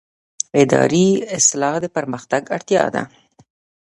اداري اصلاح د پرمختګ اړتیا ده